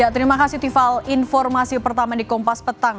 terima kasih tiffal informasi pertama di kompas petang